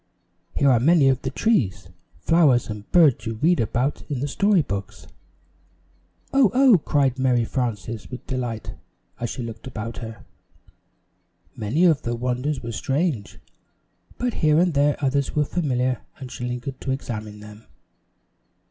"Here are many of the trees, flowers and birds you read about in the story books." "Oh! Oh!" cried Mary Frances, with delight, as she looked about her. Many of the wonders were strange, but here and there others were familiar and she lingered to examine them.